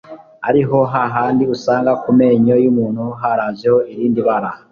ariho ha handi usanga ku menyo y'umuntu harajeho irindi bara.